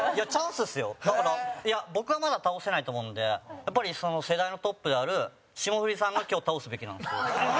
だから、僕はまだ倒せないと思うんでやっぱり、世代のトップである霜降りさんが今日、倒すべきなんですよ。